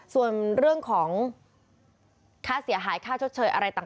ส่วนเรื่องของค่าเสียหายค่าชดเชยอะไรต่าง